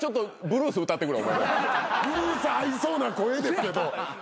ブルース合いそうな声ですけど。